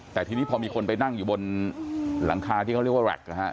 แต่ทีนี้พอมีคนไปนั่งอยู่บนหลังคาที่เขาเรียกว่าแร็กนะฮะ